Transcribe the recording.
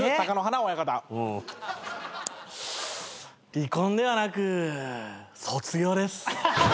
離婚ではなく卒業です。